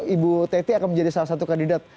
ibu teti akan menjadi salah satu kandidat